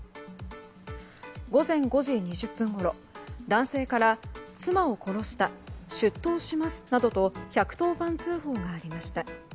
午前５時２０分ごろ男性から、妻を殺した出頭しますなどと１１０番通報がありました。